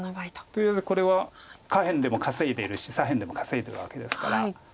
とりあえずこれは下辺でも稼いでいるし左辺でも稼いでいるわけですから。